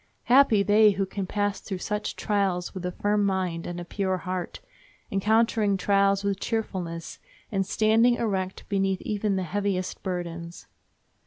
Happy they who can pass through such trials with a firm mind and a pure heart, encountering trials with cheerfulness, and standing erect beneath even the heaviest burdens.